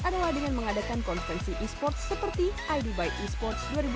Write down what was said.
adalah dengan mengadakan konfensi e sports seperti id by e sports dua ribu sembilan belas tiga belas september lalu